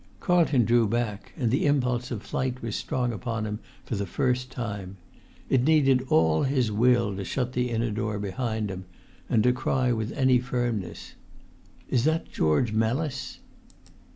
Carlton drew back, and the impulse of flight was strong upon him for the first time. It needed all his will to shut the inner door behind him, and to cry with any firmness, "Is that George Mellis?"